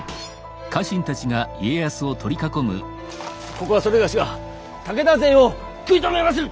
ここはそれがしが武田勢を食い止めまする！